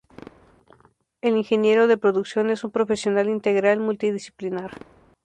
El ingeniero de Producción es un profesional Integral multidisciplinar.